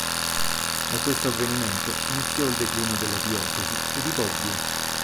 Da questo avvenimento iniziò il declino della diocesi e di Bobbio.